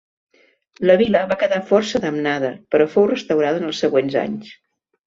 La vila va quedar força damnada però fou restaurada en els següents anys.